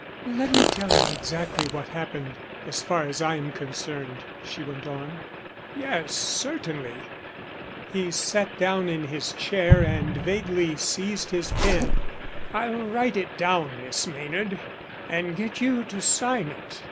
"Let me tell you exactly what happened so far as I am concerned," she went on. "Yes, certainly." He sat down in his chair and vaguely seized his pen. "I'll write it down, Miss Maynard, and get you to sign it.